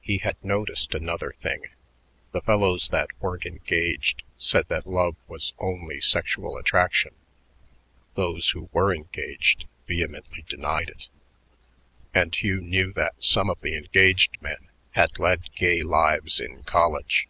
He had noticed another thing: the fellows that weren't engaged said that love was only sexual attraction; those who were engaged vehemently denied it, and Hugh knew that some of the engaged men had led gay lives in college.